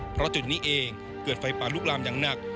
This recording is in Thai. เพราะจุดนี้เองเกิดไฟป่าลุกลามอย่างหนัก